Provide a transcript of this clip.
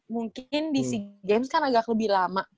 mungkin di sea games kan agak lebih lama